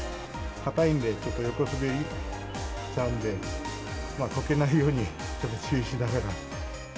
硬いんで、ちょっと横滑りしちゃうんで、こけないようにちょっと注意しながら。